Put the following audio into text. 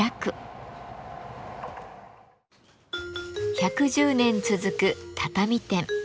１１０年続く畳店。